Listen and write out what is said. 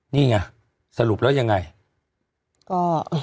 นี่ไงสรุปแล้วยังไง